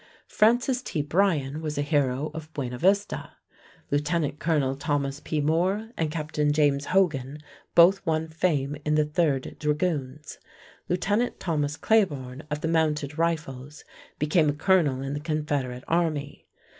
Francis T. Bryan was a hero of Buena Vista. Lieutenant Colonel Thomas P. Moore and Captain James Hogan both won fame in the 3rd Dragoons. Lieutenant Thomas Claiborn of the Mounted Rifles became a colonel in the Confederate Army.